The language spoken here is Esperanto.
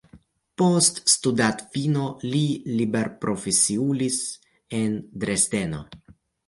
Post studadfino li liberprofesiulis en Dresdeno.